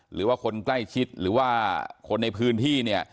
หรือว่าคนใกล้ชิดหรือว่าคนในพื้นที่เนี่ย